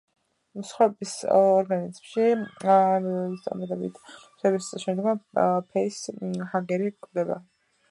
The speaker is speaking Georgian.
მსხვერპლის ორგანიზმში ემბრიონის წარმატებით მოთავსების შემდგომ ფეისჰაგერი კვდება.